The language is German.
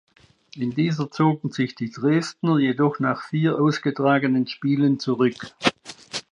In dieser zogen sich die Dresdner jedoch nach vier ausgetragenen Spielen zurück.